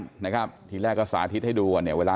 ทีแรกก็สาธิตให้ดูเวลานอนเป็นยังไงผีแบบไหนเนยะ